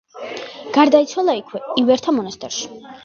გარდაიცვალა იქვე, ივერთა მონასტერში.